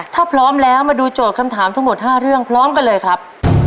ถ้าพร้อมแล้วมาดูโจทย์คำถามทั้งหมด๕เรื่องพร้อมกันเลยครับ